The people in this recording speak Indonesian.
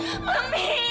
mami jangan tinggalin aku